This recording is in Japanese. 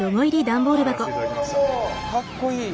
かっこいい。